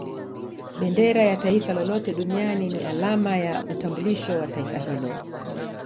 Bendera ya Taifa lolote Duniani ni alama ya utambulisho wa Taifa hilo